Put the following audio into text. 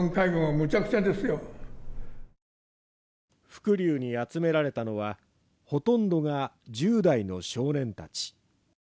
伏龍に集められたのはほとんどが１０代の少年たち。